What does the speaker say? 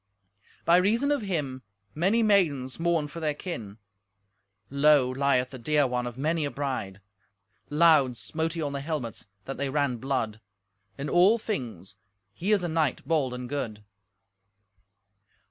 By reason of him many maidens mourn for their kin. Low lieth the dear one of many a bride. Loud smote he on the helmets, that they ran blood. In all things he is a knight bold and good."